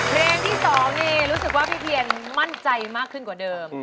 เพลงที่๒นี่รู้สึกว่าพี่เพียรมั่นใจมากขึ้นกว่าเดิม